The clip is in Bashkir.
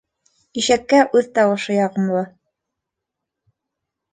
Ишәккә үҙ тауышы яғымлы.